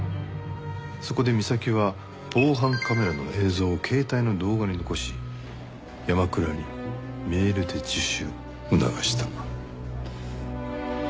そこで三崎は防犯カメラの映像を携帯の動画に残し山倉にメールで自首を促した。